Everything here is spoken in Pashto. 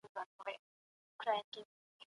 هغه ډيپلوماټ چي ښه خبري کوي هيواد ته ګټه رسوي.